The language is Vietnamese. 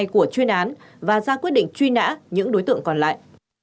của chuyên án và ra quyết định truy nã những đối tượng còn lại